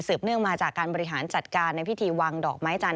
เนื่องมาจากการบริหารจัดการในพิธีวางดอกไม้จันท